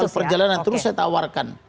perjalanan terus saya tawarkan